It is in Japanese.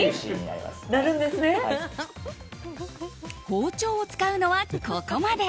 包丁を使うのはここまで。